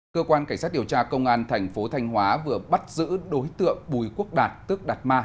cơ quan cảnh sát điều tra công an thành phố thanh hóa vừa bắt giữ đối tượng bùi quốc đạt tức đạt ma